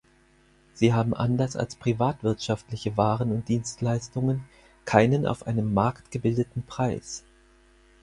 Sie haben anders als privatwirtschaftliche Waren und Dienstleistungen keinen auf einem Markt gebildeten Preis.